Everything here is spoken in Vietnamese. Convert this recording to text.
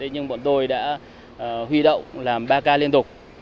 nhưng bọn tôi đã huy động làm ba k liên tục